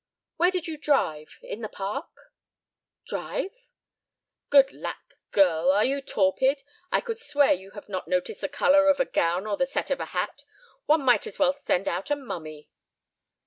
"Where did you drive—in the park?" "Drive?" "Good lack! girl, are you torpid? I could swear you have not noticed the color of a gown or the set of a hat. One might as well send out a mummy."